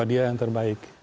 ya yang terbaik